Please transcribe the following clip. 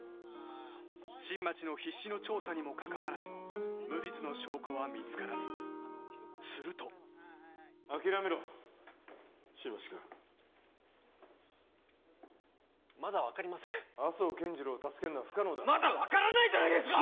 新町の必死の調査にもかかわらず無実の証拠は見つからずすると諦めろ新町君まだ分かりません麻生健次郎を助けるのは不可能だまだ分からないじゃないですか！